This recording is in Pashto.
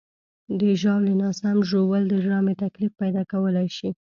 د ژاولې ناسم ژوول د ژامې تکلیف پیدا کولی شي.